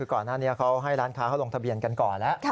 ก่อนหน้านี้เขาให้ร้านค้าเขาลงทะเบียนกันก่อนแล้ว